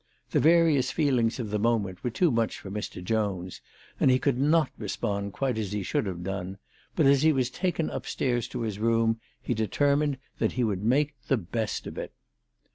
The various feelings of the moment were too much for Mr. Jones, and he could not respond quite as he should have done. But as he was taken upstairs to his room he determined that he would make the best of it.